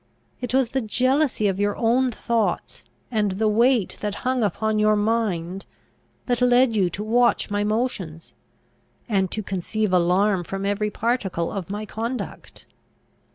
It was the jealousy of your own thoughts, and the weight that hung upon your mind, that led you to watch my motions, and to conceive alarm from every particle of my conduct.